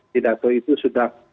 pidato itu sudah